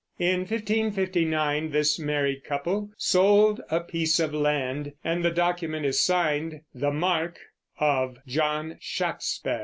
In 1559 this married couple sold a piece of land, and the document is signed, "The marke + of John Shacksper.